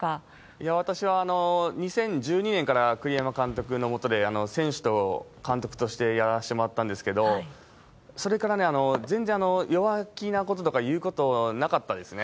いやー、私は２０１２年から栗山監督の下で選手と監督としてやらしてもらったんですけど、それから全然弱気なこととか言うことなかったですね。